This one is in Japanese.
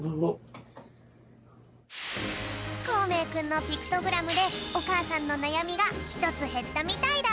こうめいくんのピクトグラムでおかあさんのなやみがひとつへったみたいだぴょん！